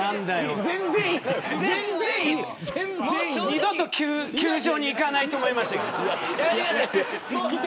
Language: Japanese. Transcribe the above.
二度と球場に行かないと思いました。